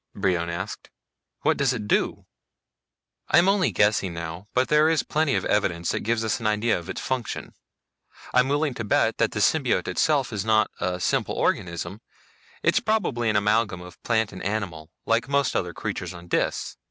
Brion asked. "What does it do?" "I'm only guessing now, but there is plenty of evidence that gives us an idea of its function. I'm willing to bet that the symbiote itself is not a simple organism, it's probably an amalgam of plant and animal like most of the other creatures on Dis.